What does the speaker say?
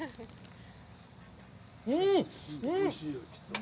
うん！